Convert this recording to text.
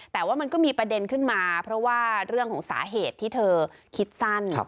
แต่ว่ามันก็มีประเด็นขึ้นมาเพราะว่าเรื่องของสาเหตุที่เธอคิดสั้น